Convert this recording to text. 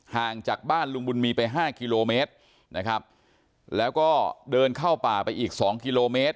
ห่างจากบ้านลุงบุญมีไปห้ากิโลเมตรนะครับแล้วก็เดินเข้าป่าไปอีกสองกิโลเมตร